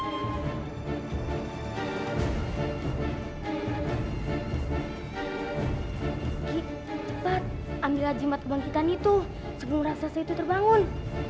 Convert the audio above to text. ski cepat ambillah jimat kebangkitan itu sebelum rahasia itu terbangun